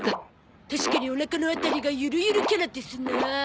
確かにおなかの辺りがゆるゆるキャラですな。